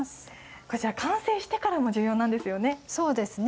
こちら、完成してからも重要そうですね。